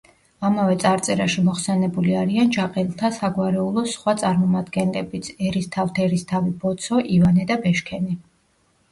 ამავე წარწერაში მოხსენებული არიან ჯაყელთა საგვარეულოს სხვა წარმომადგენლებიც: ერისთავთერისთავი ბოცო, ივანე და ბეშქენი.